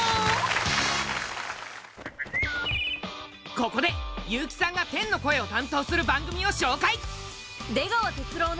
ここで悠木さんが天の声を担当する番組を紹介！